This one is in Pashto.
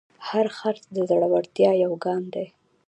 هر خرڅ د زړورتیا یو ګام دی.